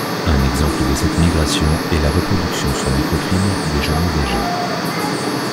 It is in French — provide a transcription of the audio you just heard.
Un exemple de cette migration est la reproduction sur microfilms des journaux âgés.